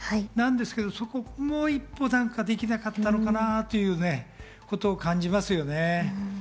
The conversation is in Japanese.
なんですけど、もう一歩なんかできなかったのかなということを感じますよね。